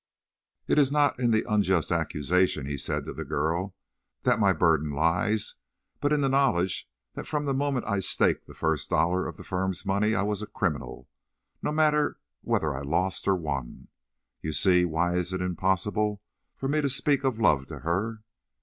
"It is not in the unjust accusation," he said to the girl, "that my burden lies, but in the knowledge that from the moment I staked the first dollar of the firm's money I was a criminal—no matter whether I lost or won. You see why it is impossible for me to speak of love to her."